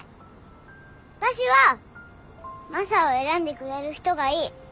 私はマサを選んでくれる人がいい。